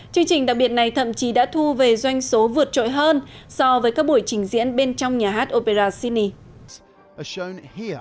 chương trình đặc biệt này thậm chí đã thu về doanh số vượt trội hơn so với các buổi trình diễn bên trong nhà hát opera sydney